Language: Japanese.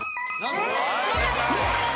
正解です！